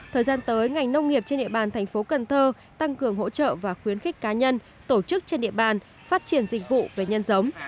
thời gian tới ngành nông nghiệp trên địa bàn tp cn tăng cường hỗ trợ và khuyến khích cá nhân tổ chức trên địa bàn phát triển dịch vụ về nhân giống